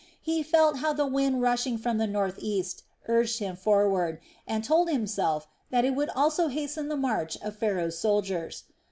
He felt how the wind rushing from the north east urged him forward, and told himself that it would also hasten the march of Pharaoh's soldiers.